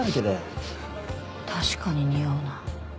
確かににおうな。